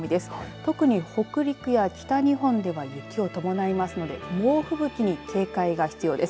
特に北陸や北日本では雪を伴いますので猛吹雪に警戒が必要です。